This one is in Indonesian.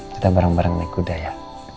kita bareng bareng naik kuda ya